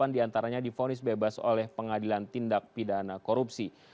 delapan diantaranya difonis bebas oleh pengadilan tindak pidana korupsi